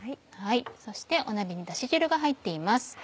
そして鍋にだし汁が入っています。